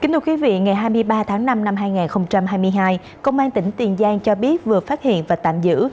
ngày hai mươi ba tháng năm năm hai nghìn hai mươi hai công an tỉnh tiền giang cho biết vừa phát hiện và tạm giữ